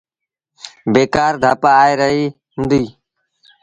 بيڪآر ڌپ آئي رهيٚ هُݩديٚ۔